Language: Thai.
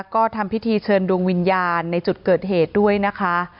ก็ทำพิธีเชิญดวงวิญญาณในจุดเกิดเหตุด้วยนะคะ